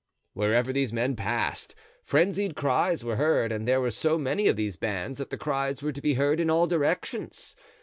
Wherever these men passed, frenzied cries were heard; and there were so many of these bands that the cries were to be heard in all directions.